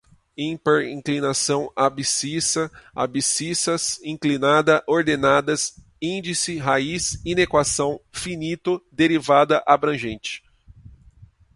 ímpar, inclinação, abscissa, abscissas, inclinada, ordenadas, índice, raiz, inequação, finito, derivada, abrangente